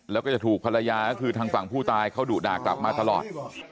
แล้วก็จะถูกภรรยาก็คือทางฝั่งผู้ตายเขาดุด่ากลับมาตลอด